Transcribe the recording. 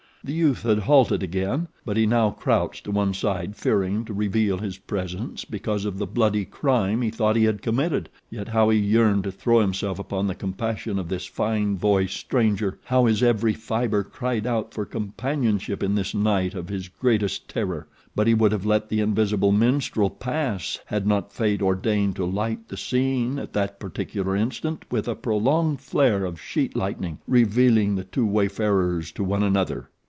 The youth had halted again, but he now crouched to one side fearing to reveal his presence because of the bloody crime he thought he had committed; yet how he yearned to throw himself upon the compassion of this fine voiced stranger! How his every fibre cried out for companionship in this night of his greatest terror; but he would have let the invisible minstrel pass had not Fate ordained to light the scene at that particular instant with a prolonged flare of sheet lightning, revealing the two wayfarers to one another.